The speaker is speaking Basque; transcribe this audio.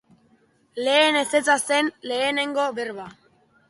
Lehen ezetza zen lehenengo berba.